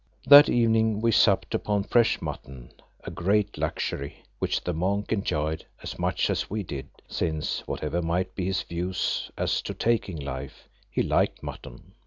That evening we supped upon fresh mutton, a great luxury, which the monk enjoyed as much as we did, since, whatever might be his views as to taking life, he liked mutton.